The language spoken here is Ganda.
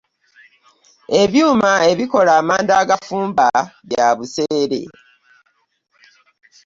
Ebyuma ebikola amanda agafumba bya buseere.